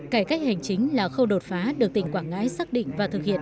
cải cách hành chính là khâu đột phá được tỉnh quảng ngãi xác định và thực hiện